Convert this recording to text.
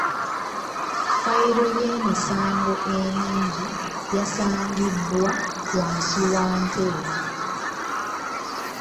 Ffayiro y'emisango emingi yasangibwa wansi wa ntebe.